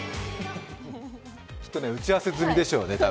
きっと打ち合わせ済みでしょうね。